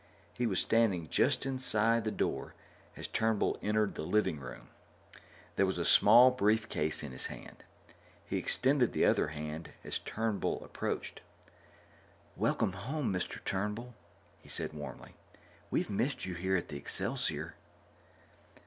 He was standing just inside the door as Turnbull entered the living room; there was a small brief case in his hand. He extended the other hand as Turnbull approached. "Welcome home again, Dr. Turnbull," he said warmly. "We've missed you here at the Excelsior."